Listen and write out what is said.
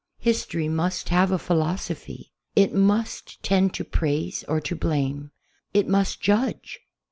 His tory must have a philosophy. It must tend to praise or to blame. It must judge.